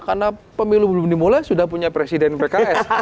karena pemilu belum dimulai sudah punya presiden pks